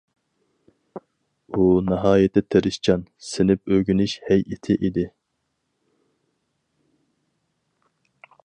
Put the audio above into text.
ئۇ ناھايىتى تىرىشچان، سىنىپ ئۆگىنىش ھەيئىتى ئىدى.